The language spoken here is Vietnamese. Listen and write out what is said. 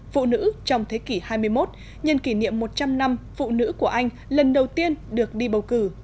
phụ nữ trong thế kỷ hai mươi một nhân kỷ niệm một trăm linh năm phụ nữ của anh lần đầu tiên được đi bầu cử